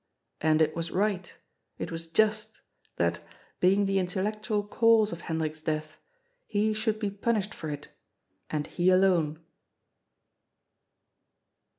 And it was right, it was just, that, being the intellectual cause of Hendrik'a death, he should be punished for it — ^and he alone.